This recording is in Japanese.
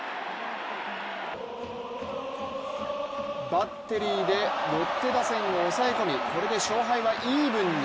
バッテリーでロッテ打線を抑え込み、これで勝敗はイーブンに。